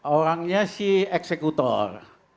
orangnya si eksekutor